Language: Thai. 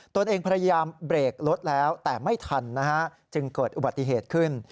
ตัวเองพยายามเบรกรถแล้วแต่ไม่ทันนะฮะจึงเกิดอุบัติเหตุขึ้น